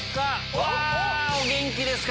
うわお元気ですか？